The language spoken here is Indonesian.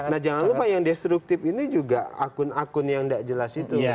nah jangan lupa yang destruktif ini juga akun akun yang tidak jelas itu